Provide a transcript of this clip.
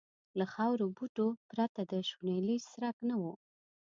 له خارو بوټو پرته د شنیلي څرک نه و.